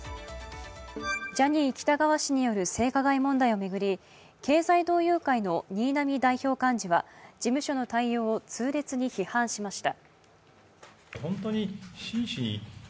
ジャニー喜多川氏による性加害問題を巡り経済同友会の新浪代表幹事は事務所の対応を痛烈に批判しました。